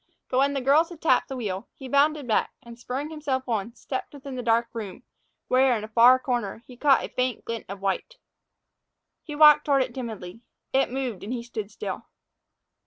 But when the girls had tapped the wheel, he bounded back and, spurring himself on, stepped within the dark room, where, in a far corner, he caught a faint glint of white. He walked toward it timidly. It moved, and he stood still.